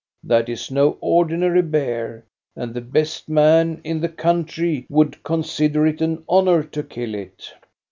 That is no ordinary bear, and the best men in the country would consider it an honor to kill it."